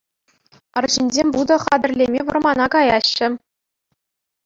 Арҫынсем вутӑ хатӗрлеме вӑрмана каяҫҫӗ.